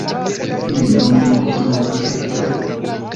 Ili nome konstruas la tn.